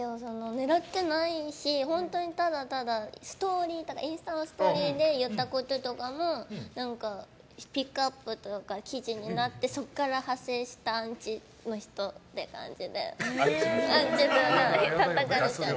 狙ってないし本当にただ、インスタのストーリーで言ったこととかもピックアップというか記事になって、そこから派生したアンチの人って感じで。